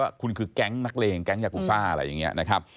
ว่าคุณคือแก๊งนักเลงแก๊งยากูซ่าอะไรอย่างนี้นะครับ